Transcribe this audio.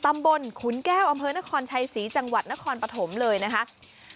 ตำบลขุนแก้วอำเภอนครชัยศรีจังหวัดนครปฐมเลยนะคะ